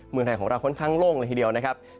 เมืองไทยของเราค่อนข้างโล่งเลยทีเดียวนะครับ